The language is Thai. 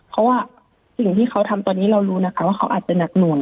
เพราะว่าสิ่งที่เขาทำตอนนี้เรารู้นะคะว่าเขาอาจจะหนักหน่วง